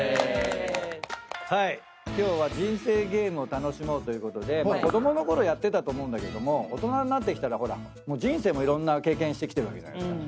今日は人生ゲームを楽しもうということで子供のころやってたと思うんだけども大人になってきたら人生もいろんな経験してきてるわけじゃないですか。